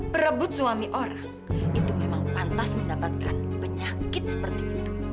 perebut suami orang itu memang pantas mendapatkan penyakit seperti itu